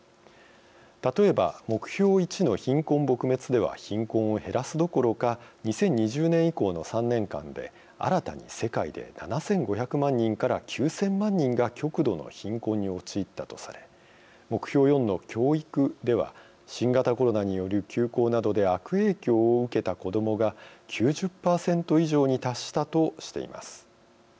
例えば目標１の「貧困撲滅」では貧困を減らすどころか２０２０年以降の３年間で新たに世界で７，５００万人から９，０００万人が極度の貧困に陥ったとされ目標４の「教育」では新型コロナによる休校などで悪影響を受けた子どもが９０％以上に達したとしています。